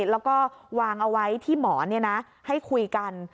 แล้วก็วางเอาไว้ที่หมอให้คุยกัน